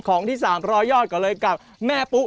ของที่๓๐๐ยอดก่อนเลยกับแม่ปุ๊